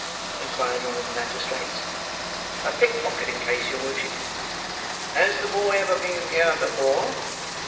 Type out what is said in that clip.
inquired one of the magistrates. "A pick pocketing case, your worship." "Has the boy ever been here before?"